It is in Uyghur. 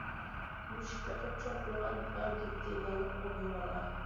مۈشۈك بېقىپ چوڭ قىلغان ئارگېنتىنالىق ئوغۇل بالا.